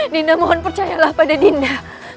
dinda mohon percayalah pada dinda